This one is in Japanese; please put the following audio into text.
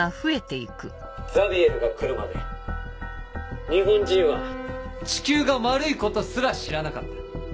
ザビエルが来るまで日本人は地球が丸いことすら知らなかった。